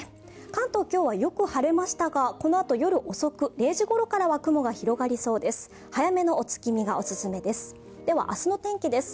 関東はよく晴れましたが、このあと夜遅く０時ごからは雲が広がりそうです。